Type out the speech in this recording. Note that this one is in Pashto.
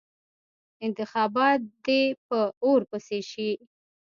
انتخابات دې په اور پسې شي.